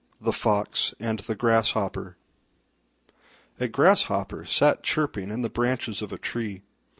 THE FOX AND THE GRASSHOPPER A Grasshopper sat chirping in the branches of a tree.